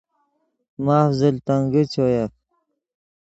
ماف زل تنگے چویف